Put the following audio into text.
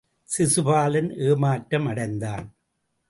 சிசுபாலன் ஏமாற்றம் அடைந்தான்.